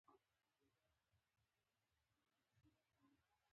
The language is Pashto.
وړاندې د سیند پر سر راښکاره شوه.